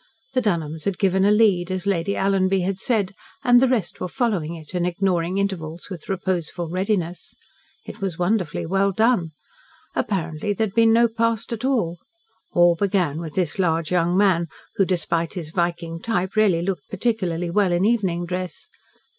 The Dunholms had given a lead, as Lady Alanby had said, and the rest were following it and ignoring intervals with reposeful readiness. It was wonderfully well done. Apparently there had been no past at all. All began with this large young man, who, despite his Viking type, really looked particularly well in evening dress.